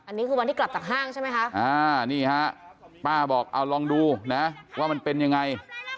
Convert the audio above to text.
อันนี้คือวันที่กลับจากห้างใช่ไหมคะนี่ฮะป้าบอกเอาลองดูนะว่ามันเป็นยังไง